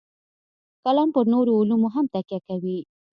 کلام پر نورو علومو هم تکیه کوي.